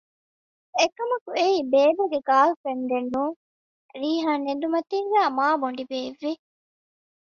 އެކަމަކު އެއީ ބޭބެގެ ގާރލް ފްރެންޑެއް ނޫން ރީޙާން އެނދުމަތީގައި މާބޮނޑި ބޭއްވި